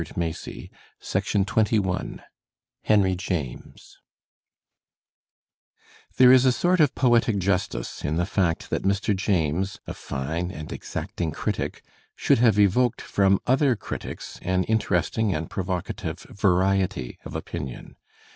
Digitized by Google CHAPTER XVn HENRY JAMES There is a sort of poetic justice in the fact that Mr. James, a fine and exacting critic, should have evoked from other critics an interesting and provocative variety of opinion.